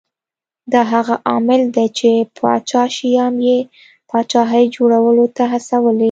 دا هغه عامل دی چې پاچا شیام یې پاچاهۍ جوړولو ته هڅولی